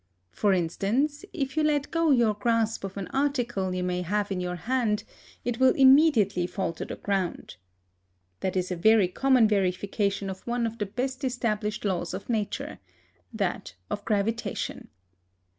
For instance, if you let go your grasp of an article you may have in your hand, it will immediately fall to the ground. That is a very common verification of one of the best established laws of nature that of gravitation.